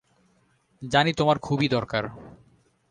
জানি তোমার খুবই দরকার।